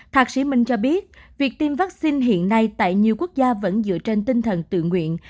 thạc sĩ minh cho biết việc tiêm vaccine hiện nay tại nhiều quốc gia vẫn dựa trên tinh thần tự nguyện